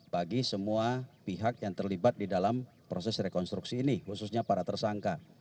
bagi semua pihak yang terlibat di dalam proses rekonstruksi ini khususnya para tersangka